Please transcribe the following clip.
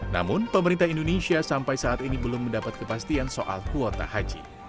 namun pemerintah indonesia sampai saat ini belum mendapat kepastian soal kuota haji